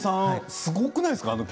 すごくないですか？